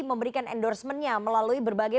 memberikan endorsement nya melalui berbagai